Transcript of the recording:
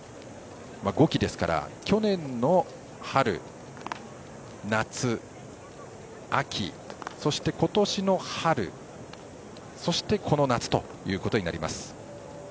５季ですから去年の春、夏、秋そして今年の春そして、この夏ということになります。